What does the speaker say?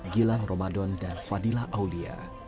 gilang ramadan dan fadila aulia